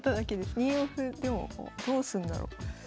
２四歩でもどうすんだろう。